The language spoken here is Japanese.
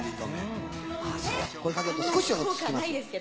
これかけると少しは落ち着きますか。